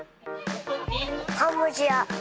カンボジア。